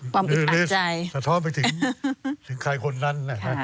ความอึดอัดใจพี่ลิศิละคะสะท้อนไปถึงใครคนนั้น